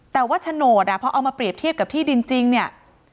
แต่ว่าโฉนดอ่ะพอเอามาเปรียบเทียบกับที่ดินจริงเนี่ย